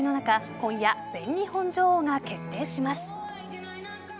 今夜、全日本女王が決定します。